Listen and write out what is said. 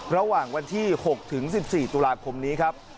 ระหว่างวันที่๖ถึง๑๔ตุลาคมนี้ครับ